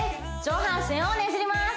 上半身をねじります